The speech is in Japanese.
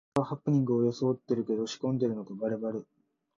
この動画、ハプニングをよそおってるけど仕込んでるのがバレバレ